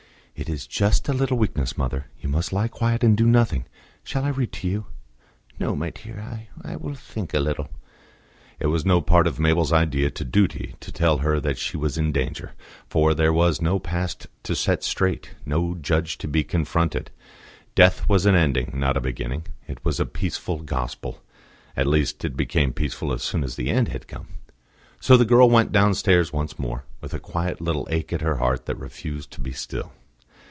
"It is just a little weakness, mother. You must lie quiet and do nothing. Shall I read to you?" "No, my dear; I will think a little." It was no part of Mabel's idea to duty to tell her that she was in danger, for there was no past to set straight, no Judge to be confronted. Death was an ending, not a beginning. It was a peaceful Gospel; at least, it became peaceful as soon as the end had come. So the girl went downstairs once more, with a quiet little ache at her heart that refused to be still.